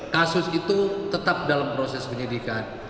kasus itu tetap dalam proses penyidikan